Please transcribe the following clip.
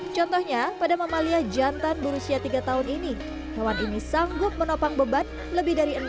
contohnya pada mamalia jantan berusia tiga tahun ini kawan ini sanggup menopang beban lebih dari enam puluh kg